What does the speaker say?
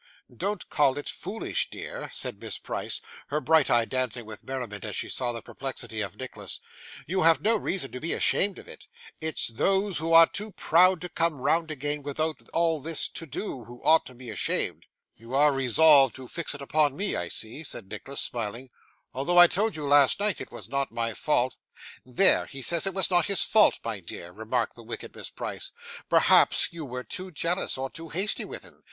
'Don't call it foolish, dear,' said Miss Price: her bright eye dancing with merriment as she saw the perplexity of Nicholas; 'you have no reason to be ashamed of it. It's those who are too proud to come round again, without all this to do, that ought to be ashamed.' 'You are resolved to fix it upon me, I see,' said Nicholas, smiling, 'although I told you, last night, it was not my fault.' 'There; he says it was not his fault, my dear,' remarked the wicked Miss Price. 'Perhaps you were too jealous, or too hasty with him?